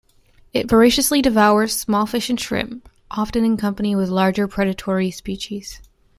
It voraciously devours small fish and shrimp, often in company with larger predatory species.